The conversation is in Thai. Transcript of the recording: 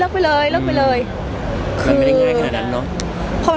คือมันไม่ได้ง่ายขนาดนั้นเนาะ